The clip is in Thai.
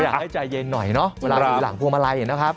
อยากให้ใจเย็นหน่อยเนอะเวลาอยู่หลังพวงมาลัยนะครับ